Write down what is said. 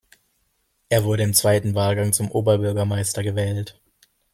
Er wurde im zweiten Wahlgang zum Oberbürgermeister gewählt.